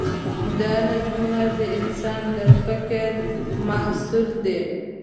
دا نظمونه د انسان د فکر محصول دي.